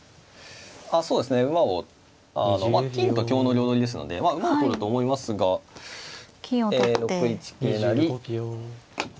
そうですね馬をあの金と香の両取りですので馬を取ると思いますが６一桂成。